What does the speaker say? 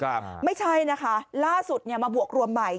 ไม่ใช่นะคะล่าสุดเนี่ยมาบวกรวมใหม่